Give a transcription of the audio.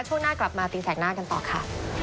ช่วงหน้ากลับมาตีแสกหน้ากันต่อค่ะ